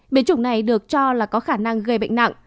biến chủng này được cho là có khả năng gây bệnh nặng